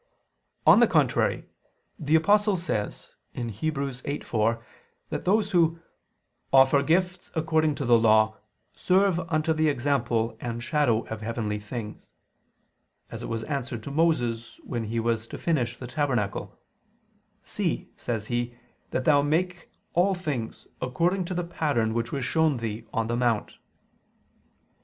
On the contrary, The Apostle says (Heb. 8:4) that those who "offer gifts according to the law ... serve unto the example and shadow of heavenly things. As it was answered to Moses, when he was to finish the tabernacle: See, says He, that thou make all things according to the pattern which was shown thee on the mount."